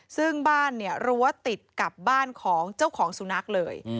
ซึ่งบ้านเนี่ยรั้วติดกับบ้านของเจ้าของสุนัขเลย